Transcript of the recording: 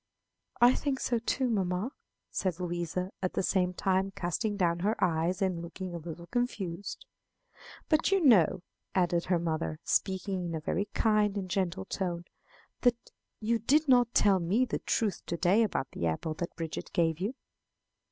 "I think so too, mamma," said Louisa, at the same time casting down her eyes and looking a little confused. "But you know," added her mother, speaking in a very kind and gentle tone, "that you did not tell me the truth to day about the apple that Bridget gave you."